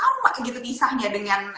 mungkin sama gitu pisahnya dengan